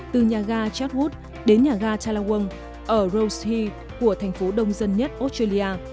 từ nhà ga chadwood đến nhà ga tallawong ở rose hill của thành phố đông dân nhất australia